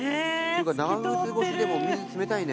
長靴越しでも水冷たいね。